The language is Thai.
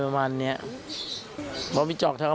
แม่ของแม่แม่ของแม่